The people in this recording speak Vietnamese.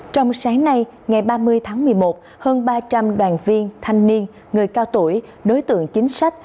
trong sáng nay ngày ba mươi tháng một mươi một hơn ba trăm linh đoàn viên thanh niên người cao tuổi đối tượng chính sách